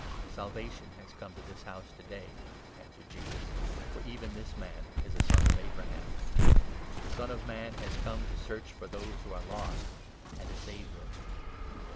" Salvation has come to this house to day," answered Jesus, 9 "for even this man is a son of Abraham. The Son of Man 10 has come to ' search for those who are lost ' and to save them.